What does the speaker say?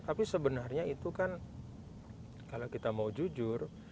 tapi sebenarnya itu kan kalau kita mau jujur